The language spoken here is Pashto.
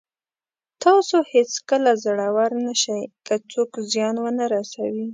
تاسو هېڅکله زړور نه شئ که څوک زیان ونه رسوي.